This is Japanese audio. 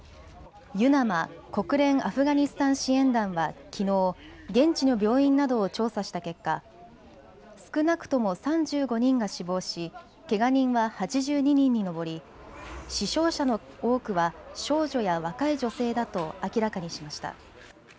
ＵＮＡＭＡ・国連アフガニスタン支援団はきのう、現地の病院などを調査した結果、少なくとも３５人が死亡しけが人は８２人に上り死傷者の多くは少女や若い女性だと明らかにしました。